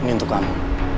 ini untuk kamu